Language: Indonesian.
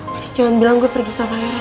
please jangan bilang gue pergi sama heran